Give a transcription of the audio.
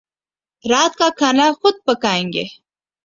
رات کا کھانا خود پکائیں گے